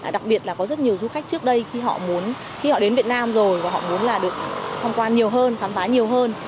đặc biệt là có rất nhiều du khách trước đây khi họ đến việt nam rồi và họ muốn được tham quan nhiều hơn khám phá nhiều hơn